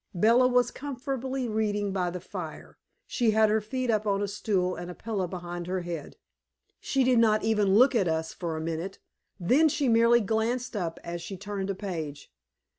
Bella was comfortably reading by the fire. She had her feet up on a stool and a pillow behind her head. She did not even look at us for a minute; then she merely glanced up as she turned a page.